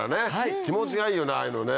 気持ちがいいよねああいうのね